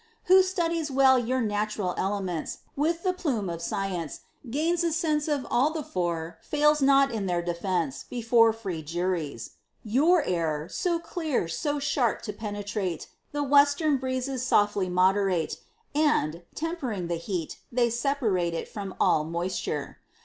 Who studies well your natural elements, And with the plumb of science, gains a sense Of all the four: fails not in their defence, Before free juries. Your Air, so clear, so sharp to penetrate, The western breezes softly moderate; And, tempering the heat, they separate It from all moisture.